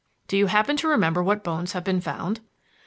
"Do you happen to remember what bones have been found?"